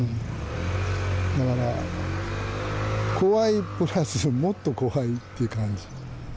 だから怖いプラスもっと怖いという感じ。